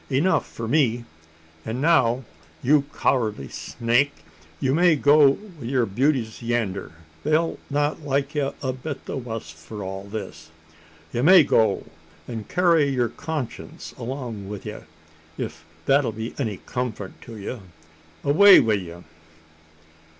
"Enuf for me. An' now, ye cowardly snake, ye may go wi' yur beauties yander. They'll not like ye a bit the wuss for all this. Ye may go an' carry yur conscience along wi' ye ef that 'll be any comfort to ye. Away wi' ye!"